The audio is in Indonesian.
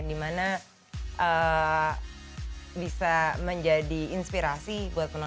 dimana bisa menjadi inspirasi buat penonton